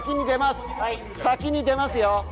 先に出ますよ。